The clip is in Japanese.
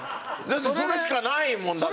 それしかないもんだって。